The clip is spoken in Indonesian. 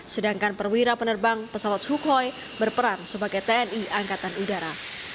sedangkan perwira penerbang pesawat sukhoi berperan sebagai tni angkatan udara